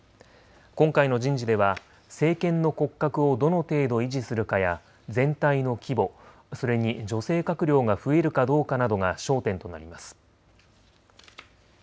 今回の人事では政権の骨格をどの程度維持するかや全体の規模、それに女性閣僚が増えるかどうかなどが焦点となります。